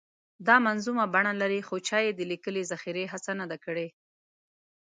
دا منظومه بڼه لري خو چا یې د لیکلې ذخیرې هڅه نه ده کړې.